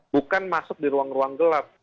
bukan masuk di ruang ruang gelap